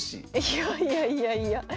いやいやいやいや。